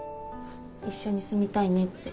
一緒に住みたいねって。